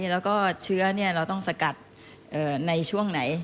แล้วก็เชื้อเราต้องสกัดในช่วงไหน